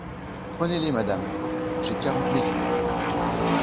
prenez-les, madame, j’ai quarante mille francs…